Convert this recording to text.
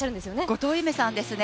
後藤夢さんですね